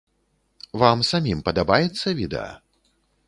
Вам самім падабаецца відэа?